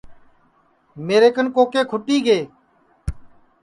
میرے کن کوکے کُھٹی گئے